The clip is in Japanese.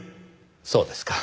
そうですか。